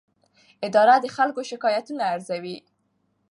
اداره د خلکو شکایتونه ارزوي.